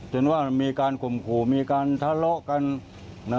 เห็นว่ามีการข่มขู่มีการทะเลาะกัน